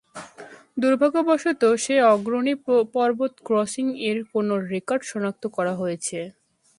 দুর্ভাগ্যবশত, যে অগ্রণী পর্বত ক্রসিং এর কোনো রেকর্ড সনাক্ত করা হয়েছে।